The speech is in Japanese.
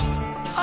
あ